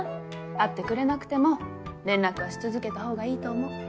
会ってくれなくても連絡はし続けた方がいいと思う。